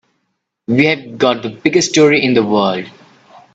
We've got the biggest story in the world.